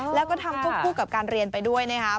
แล้วก็ทำควบคู่กับการเรียนไปด้วยนะครับ